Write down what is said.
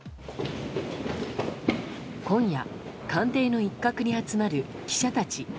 今夜、官邸の一角に集まる記者たち。